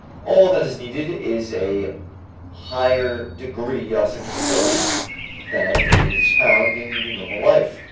All that is needed is a higher degree of suggestibility than is found in the normal life.